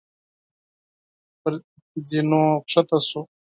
پر زينو کښته شو.